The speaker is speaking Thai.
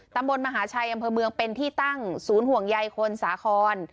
มหาชัยอำเภอเมืองเป็นที่ตั้งศูนย์ห่วงใยคนสาคร